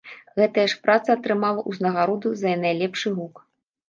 Гэтая ж праца атрымала ўзнагароду за найлепшы гук.